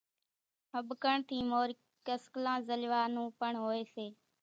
ۿٻڪڻ ٿِي مورِ ڪسڪلان زلوِيا نون پڻ هوئيَ سي۔